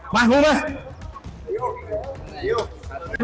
มาพูดมา